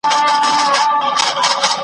چي سودا کوې په څېر د بې عقلانو .